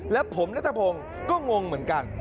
แล้วผมนะจับผมก็งงเหมือนกัน